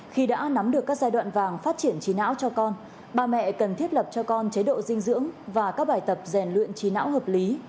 khi đã nắm được các giai đoạn vàng phát triển trí não cho con bà mẹ cần thiết lập cho con chế độ dinh dưỡng và các bài tập rèn luyện trí não hợp lý